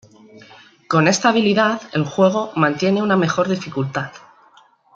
Con esta habilidad el juego mantiene una mejor dificultad.